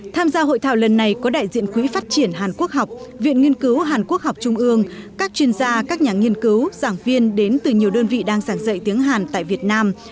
tham gia hội thảo lần này có đại diện quỹ phát triển hàn quốc học viện nghiên cứu hàn quốc học trung ương các chuyên gia các nhà nghiên cứu giảng viên đến từ nhiều đơn vị đang giảng dạy tiếng hàn tại việt nam